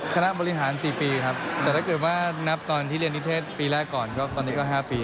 คณะบริหาร๔ปีครับแต่ถ้าเกิดว่านับตอนที่เรียนนิเทศปีแรกก่อนก็ตอนนี้ก็๕ปี